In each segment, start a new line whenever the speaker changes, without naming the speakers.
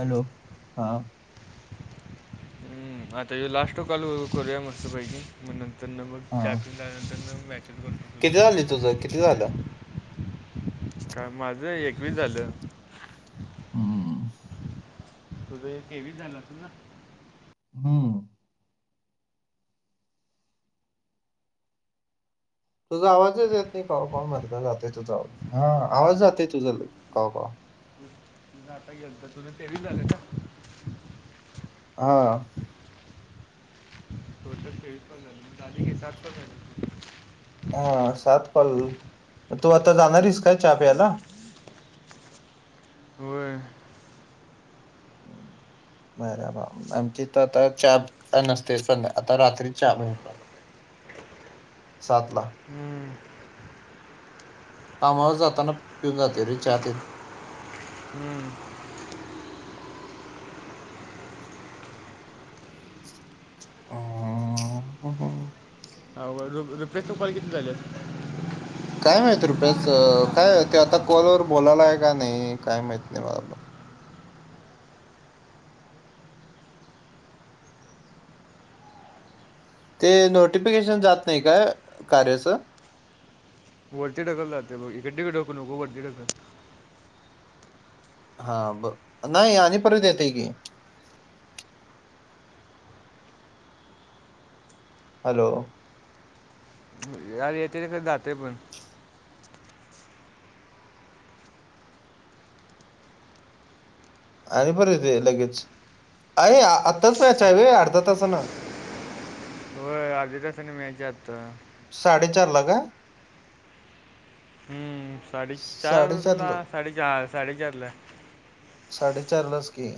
Hello हा.
आता हो लास्ट कॉल करूया मस्तपैकी नंतर मग
हा
चहा. त्यानंतर ना मेसेज करू.
किती झाले तुझं? किती झालं?
काम माझं एकवीस झालं.
[inaudible]
तुझं तेवीस झालं असेल ना?
हम्म. तुझा आवाजच येत नाही कवा कवा मर्दा जातोय. तुझा आवाज हा आवाज जातोय तुझा कवा कवा.
पुन्हा आता गेलतो, तुझं तेवीस झालं का?
हा.
टोटल तेवीस, [unintelligible] झाले की [unintelligible]
हा सात कॉल, हा मग तू आता जाणार आहेस का चहा प्यायला?
होय. [inaudible]
बर बाबा अन तिथं तर चहा काय नसतोयस आता रात्री चहा मिळणार. सात ला.
हम्म,
कामावर जाताना पिऊन जातोय ते चहा टेन.
हम्म.
[inaudible]
हा [unintelligible] रुपेश चे कॉल किती झालेत.
काय माहिती रुपेशच, काय ते आता कॉल वर बोलायला की नाय. ते नोटिफिकेशन जात नाही का कार्याचं?
वरती ढकलला जातंय मग, इकडे तिकडे ढकलू नको वरती ढकल.
हा बघ नाय, आणि परत येते की. हॅलो.
यार येथे खरंच जाते पण.
आणि परत येतेय लगेच आय आत्ताच मॅच आहे होय अर्धा तासाना.
होय अर्ध्या तासाने मॅच हाय आता.
साडेचार ला काय?
हम्म ला साडेचार साडेचार ला हा साडेचारला आहे.
साडेचार लाच की.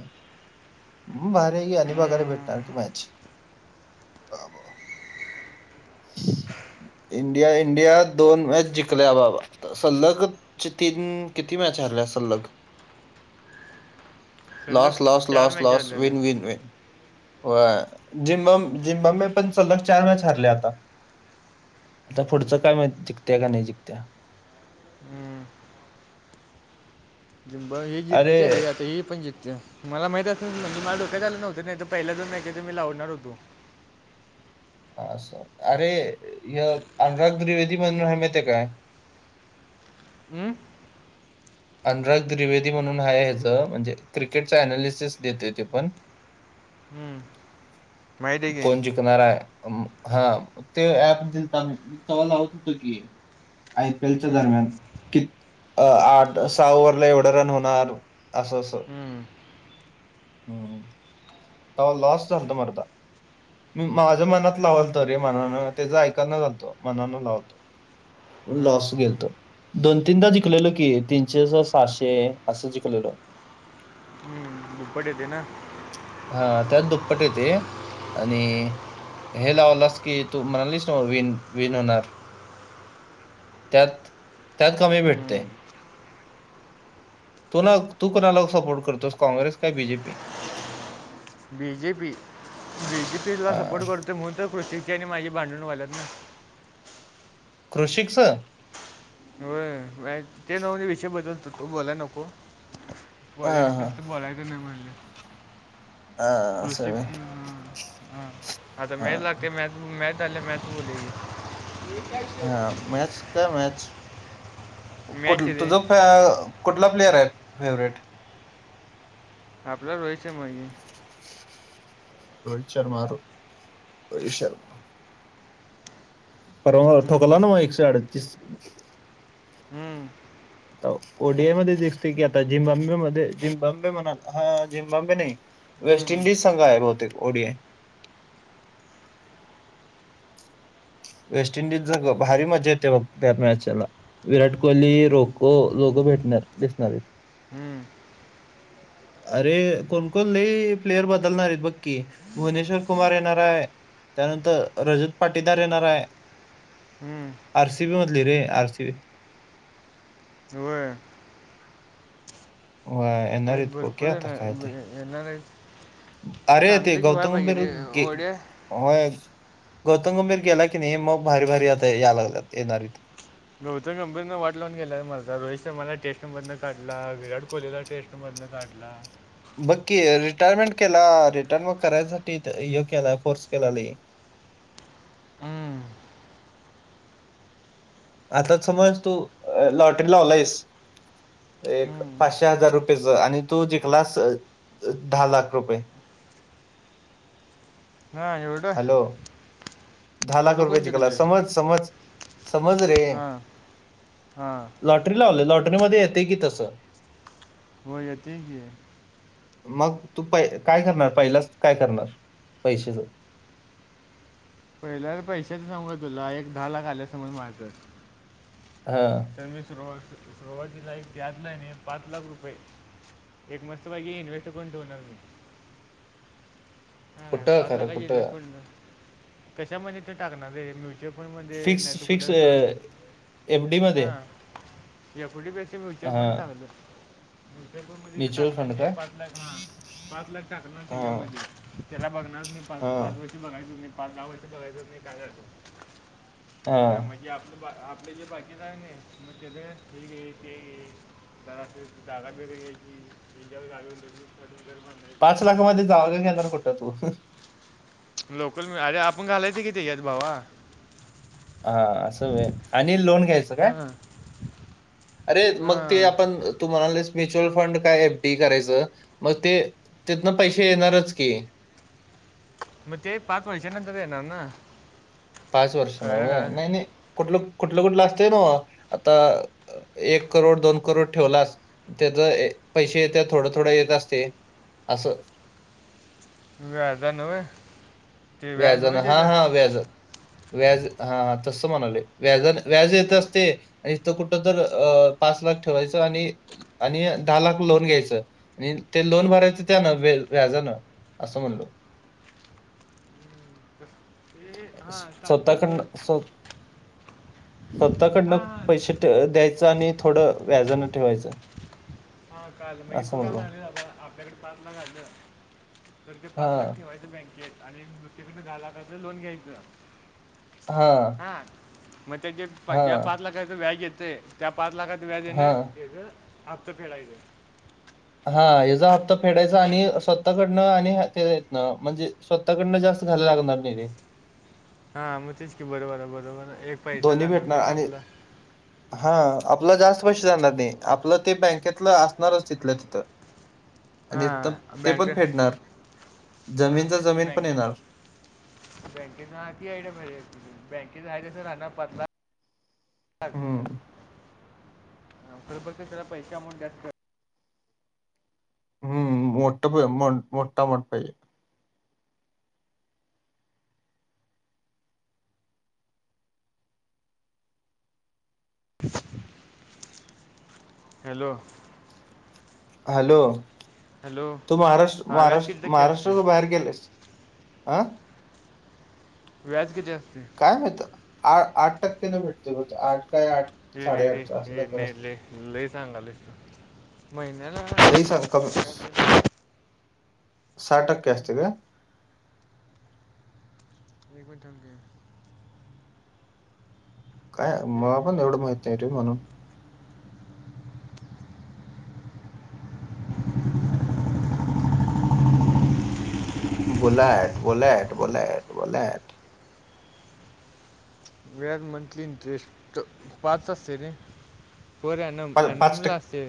हा भारी हाय की, आणि बघायला भेटणार
हम्म.
मॅच.
[unintelligible]
इंडिया, इंडिया दोन मॅच जिंकल्या बाबा. सल्लग्, चे तीन किती मॅच हरल्या सल्लग?
सलग
लास् लास्
चार
लास्
मॅच
लास्
झालेल्या
विन विन वन. होय, जिम बॉम्बे जिम बॉम्बे पण सलग आता चार मॅच हरल्या आता. आता पुढचं काय माहित, जिकत्या का नाही जिकत्या.
हम्म. जिंबा हे
अरे
जीकत्या रे आता ही पण जिकत्या. मला माहित असे म्हणजे मला डोक्यात आलं नव्हतं नाही तर पहिला चो नाही का ते मी लावणार होतो.
असं, अरे, अनुराग त्रिवेदी म्हणून हाय माहिती आहे काय.
हम्म.
अनुराग त्रीवेदी म्हणून हाय हचं म्हणजे, क्रिकेटच अनालिसिस देतोय तो पण.
हम्म. माहित आहे की
कोण जिकणारा हाय, हा ते म ते एप तवा लावत हुतं की. आयपीएल च्या
हम्म.
दरम्यान. की, आठ सहा ओरला एवढं रन होणार, असं असं.
हम्म.
हम्म. तवा लॉस झालतं मर्दा. मी माझ्या मनात लावलतो रे मनान, त्याचं ऐकना झालतो, मनान लावलतो.
हम्म.
लॉस गेलतो. दोन तीनदा जिकलेलो की, तीनशेच सहाशे असं जिकलेलो.
हम्म. दुप्पट येतय ना
हा त्यात दुप्पट येतय, आणि हे लावलास की, तू म्हणालीस नवं विन, विण होणार. त्यात, त्यात कमी भेटतय. तू मग, तू कोणाला सपोर्ट करतोस, काँग्रेस का बीजेपी.
बीजेपी, बीजेपी ला
हा
सपोर्ट करतोय म्हणून तर माझी प्रतिकची आणि माझी भांडणं व्हाल्यात ना.
कृषिकच
होय, ते नवं ते विषय बदल तु, ते बोलाय नको.
हा
पॉलेटिकलचं बोलायचं नाही म्हणले.
हा असं
कृषीक,
व्हय.
आता
हा
मेला लागते मॅच. मॅच झाल्या मॅच बुलुया [unintelligible]
हा, मॅच काय मॅच,
मॅच आहे रे
तुझं कुठं कुठला प्लेयर आहे, फेवरेट.
आपला रोहित शर्मा आहे.
रोहित शर्मा रोहित शर्मा. परवा ठोकला
हम्म,
नवं एकशे अडतीस.
हम्म.
आ ओडियामध्ये दिसते की आता, झिम्बाब्वे मध्ये जिम्बाब्वे म्हणाल हा झिम्बाब्वे नाही. वेस्ट
हम्म,
इंडिज संघ आहे बहुतेक, ओडीआय. वेस्ट इंडिज संघ, भारी मजा येते बघ त्या मॅचला. विराट कोहली रोको लोकं भेटणार दिसणार आहेत.
हम्म,
अरे कोणकोण लय प्लेयर बदलणार आहेत, बघकी. भुवनेश्वर कुमार येणार आहे, त्यानंतर रजत पाटीदार येणार आहे.
हम्म.
आर सी बी म्हदली रे, आरसीबी.
व्हय.
व्हय ऐनार
आहेत
ओ के
भरपूर
आता
येणार
काय ते
येणार आहेत
अरे ते
चांगली घेवा
गौतम
पाहिजे
भेरूत..
रे
गी
ओढ्या
होय.. गौतम गंभीर गेला की नाही मग भारी -भारी आता याय लागलेत येणारेत.
गौतम गंभीर वाट लावून गेलय मालकाच रोहित मला टेस्ट मदन काढला, विराट कोहलीचा टेस्ट मधन काढला
बघ की रिटायरमेंट केला, रिटायरमेंट करायसाठी इथं ये केलं कोर्स केला लई
ह्म्म्म
आता समज तूअ.. लॉटरी लावलाहेस. एक..
हम्म.
पाचशे हजार रुपयेच आणि तू जिकलास दहा लाख रुपये
हा एवढं
हॅलो! दहा लाख
एवढं
रुपय
कोण जिंकले
जिंकलास, समज.. समज.. समज.. रे..
हां हां
लॉटरी लावल, लॉटरीमध्ये येत की तसं
हो.. येत की
मग तू प.. काय करणार पहिलाच काय करणार पैशाच?
पहिल्यावर पैशाच सांगू तुला एक दहा लाख आल्यासमोर माझ्या
हा
तर मी [inaudible] पाच लाख रुपये एक मस्त पैकी इन्व्स्ट करण ठेवणार मी हा
कुठं खरं
पाचलाखा ची
कुठं
इन्व्हेस्टमेंट झाली, कशा मध्ये तर टाकणार रे म्युचन म्युचल फंड
फिक्स
नाहीतर
फिक्स
कुठे ताज
एफ. डी. मध्ये
एफ. डी. पेक्षा म्युचल फंड
हां.
चांगल म्युचल फंड मध्ये जर
म्युच्युअल
टाकणार
फंड
मी
काय?
एक पाच लाख हा पाच लाख टाकणार
हां,
त्याच्यामध्ये त्याला बघणारच मी पा.. पाच
हां,
वर्षी बघायच मी पाच -दहा वर्षी बघायचच मी काययचो. हा..
हां.
म्हणजे आपल आपलं बाकीचं जे आहे ना मग हे घे ते घे [unintelligible]
पाच लाखामध्ये जागा घेणार कुठं तू? ह्..
लोकल, अरे.. आपण घालायच कि त्याच्यात भावा
हा.. असं व्हय आणी ल लोन घ्यायचं काय?
हां
अरे.. मग ते
हां
आपण तुम्हाला म्युचल फंड काय एफ. डी. करायचं मग ते तितन पैसे येणारच की
मग ते पाच वर्षानंतर येणार ना
पाच वर्षान
कळलं
व्हय, नाय..
का
नाय.. कुठलं -कुठलं असतंय ना आता एक करोड, दोन करोड ठेवलास त्याज ऐ.. पैसे येत थोडं- थोड येत असतय. असं
व्याज न व्हय? ते
व्याजन.. हा.. हा.. व्याज व्याज हा.. हा.. तसं म्हणालोय व्याज, व्याज येत असतय. इथं कुठं तर अ.. पाच लाख ठेवायचं आणि आणि दहा लाख लोन घ्यायचं आणि ते लोन भरायचं त्यानं व.. व्याजानं असं म्हणलो
[inaudible] हां चालते
स्वतःकडन,
सोड
स्व.. स्वतः कडन
हां हां
पैसे त.. द्यायचं आणि थोडं व्याजानं ठेवायचं.
[unintelligible] तु
असं
काय
म्हणलो.
म्हणालीस आता आपल्याकडं पाच लाख आलं. तर ते पाच लाख
हां,
ठेवायचं बँकेत, आणि दुसरीकडन दहा लाखाच लोन घ्यायचं.
हा.
हा मग तेजे ज्या पाच लाखाचं व्याज येतंय. त्या पाच लाखाच व्याज हेन
हां,
हेच हफ्त फेडायचं.
हा हेज हप्ता फेडायचा आणि, स्वतः कडनं आणि ते इथनं म्हणजे. स्वतःकडनं जास्तं झालायं लागणार नाही रे.
हा मग तेच की बरोबर आहे, बरोबर एक पैसा
दोन्ही
जाणार
भेटणार
नाही ना
आणि
आपला.
हा आपला जास्त पैसे जाणार नाही, आपलं ते बँकेतलं असणारच तिथलं तिथं.
[inaudible] हा
आणि त- ते
बँक
पण फेडणार
हा,
जमीनचा
तेच की
जमीन पण
बँकेत.
येणार
बँकेत ना ती आयडिया भारी आहे, बँकेत आहे तसंच राहणार पाच लाख. [unintelligible]
हम्म
खरं तर त्याला पैसे अमाऊंट [unintelligible]
हम्म [unintelligible] पाहिजे.
हॅलो.
हॅलो
हॅलो
तू महाराष्ट्र
हां व्याज किती
महाराष्ट्र
टक्के असते
महाराष्ट्राच्या बाहेर गेलायस. आं.
व्याज किती असतंय.
काय माहित आठ टक्के न, भेटते आठ काय आठ.
ये नाही रे
साडेआठ असं
हे
काय तर असते
नाहीले लै सांगालास तु महिन्याला.
लय
व्याज-
सांगतोस सहा टक्के
हे,
असतंय काय.
एक मिनट थांब की.
काय मला पण एवढं माहित नाही रे म्हणून. Bullet bullet bullet bullet.
वेआर मंथली इंटरेस पाच असते रे.
पा- पाच
एनमला
टक्के
असते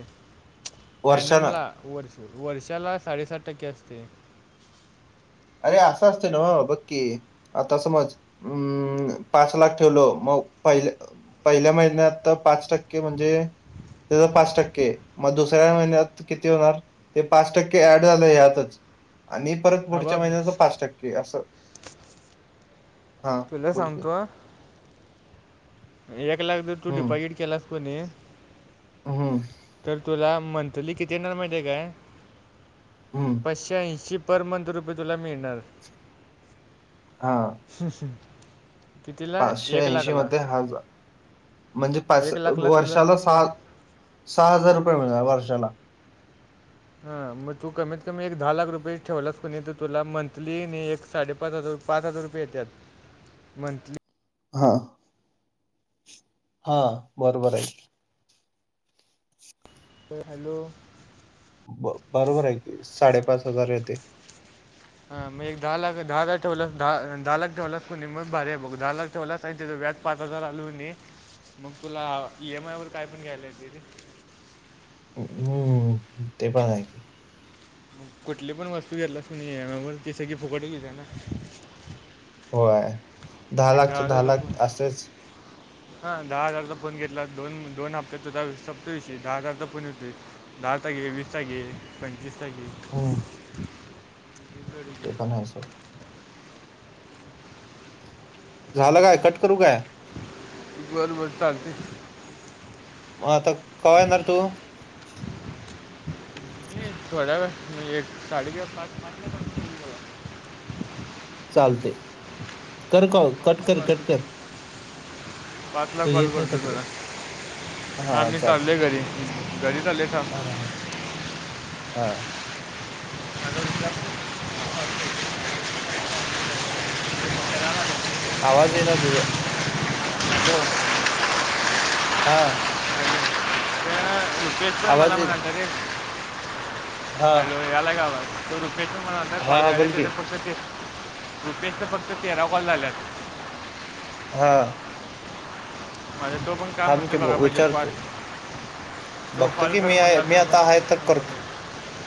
वर्षानं
एनमला. वर्ष वर्षाला साडेसात टक्के असते.
अरे असं असते, नवं बघ की. आता समज हम् पाच लाख ठेवलो मग पहिले. पहिल्या महिन्यात पाच टक्के म्हणजे. त्यांच पाच टक्के मग, दुसऱ्या महिन्यात किती होणार. ते पाच टक्के ऍड झालं यातच, आणि परत
हा
पुढच्या
बघ
महिन्याच पाच टक्के असं. हा
तुला
बोल की
सांगतो. एक लाख जर तू डिपॉझिट केलास कणी.
हं.
तर तुला मंथली किती येणार माहिती आहे काय.
हम्म.
पाचशे ऐंशी पर मंथ रुपये तुला मिळणार.
हा.
[inaudible] कितीला
पाचशे
एक
ऐंशी
लाखला
मध्ये हजार, म्हणजे पाच
एक लाखला तुला
वर्षाला
प
सहा. सहा हजार रुपये मिळणार वर्षाला.
हा मग तू कमीत कमी एक दहा लाख रुपये ठेवलास कणी, तुला मंथली नी एक. साडे पाच हजार, पाच हजार रुपये येतात मंथली.
हां हा बरोबर आहे.
ओ हॅलो!
ब बरोबर आहे की साडेपाच हजार येते‌.
ह मग एक दहा लाख दहा टवल द दहा लाख टवलस कून म भारीय बघ दहा लाख. [inaudible] ठेवलास आणि तेच व्याज पाच हजार आलू कीन मग तुला इ एम आय वर काय पण घ्यायलाय येतं.
हम्म ते पण आहे की
कुठली पण वस्तू घेतलास कीनाय इ एम आय वर तर ती फुकटच ईत्या ना.
होय दहा लाखच्या दहा लाख असेच.
[inaudible] हा दहा हजारचा फोन घेतला, दोन दोन हप्त्यात सप्तेविषयी दहा हजारचा फोन येतोय. दहा चा घे, वीस चा घे, पंचवीस चा घे,
हं, ते पण आहे सोड. झालं काय कट करू काय.
बर बर चालते.
मग आता कवा येणार तू.
मी थोड्या वेळाने, एक साडेचार पाच पर्यंत.
चालते कर कॉल. कट कर कट कर.
पाचला
तुझ्या
कॉल
इथनं
करतो
कट कर.
तुला, हा
हां,
मी चाललोय घरी. घरी चाललोय आता.
हा ह ह हा
आ [inaudible]
आवाज येन तूजा. हा
मित्र मला
आवाज येईना.
म्हणाला रे. [inaudible]
हां,
हॅलो यायला का आवाज. [inaudible]
हां, हां. बोल की.
रुपेश तर फक्त तेरा कॉल झाल्यात [inaudible]
हां
माझा तो पण काय
थांब
म्हणतो
की
बघा
ब
पाहिजे
विचारतो.
पास- तो
बघतो
कॉल
की
कर
मी आहे
म्हणला
मी
तर
आता आहे तर करतो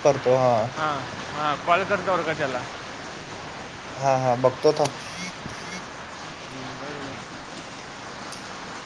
करतो. हां,
[inaudible] कॉल करतो बरं का त्याला.
हा हा बघतो थांब.
[inaudible]